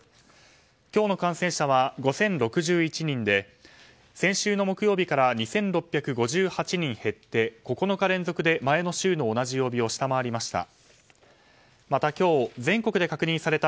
今日の感染者は５０６１人で先週の木曜日から２６５８人減って９日連続で前の週の同じ曜日を下回りました。